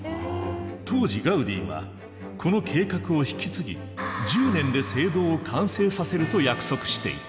当時ガウディはこの計画を引き継ぎ１０年で聖堂を完成させると約束していた。